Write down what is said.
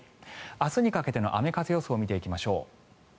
明日にかけての雨風予想を見ていきましょう。